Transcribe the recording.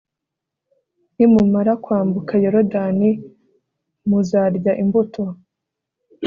Nimumara kwambuka Yorodani muzarya imbuto